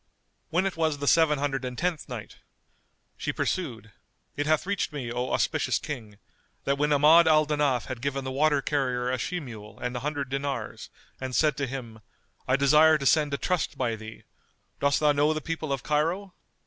When it was the Seven Hundred and Tenth Night, She pursued, It bath reached me, O auspicious King, that when Ahmad al Danaf had given the water carrier a she mule and an hundred dinars and said to him, "I desire to send a trust by thee. Dost thou know the people of Cairo?"